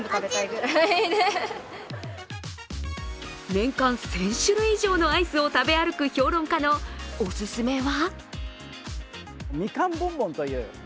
年間１０００種類以上のアイスを食べ歩く専門家のおすすめは？